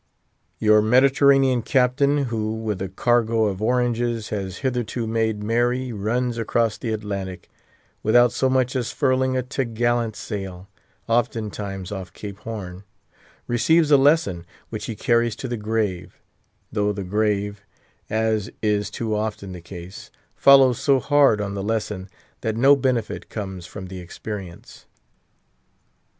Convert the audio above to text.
Your Mediterranean captain, who with a cargo of oranges has hitherto made merry runs across the Atlantic, without so much as furling a t' gallant sail, oftentimes, off Cape Horn, receives a lesson which he carries to the grave; though the grave—as is too often the case—follows so hard on the lesson that no benefit comes from the experience.